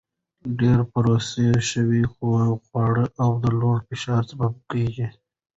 ډېر پروسس شوي خواړه د لوړ فشار سبب کېږي.